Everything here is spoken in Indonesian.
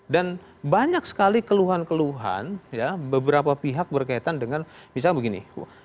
dan banyak sekali keluhan keluhan beberapa pihak berkaitan dengan misalnya begini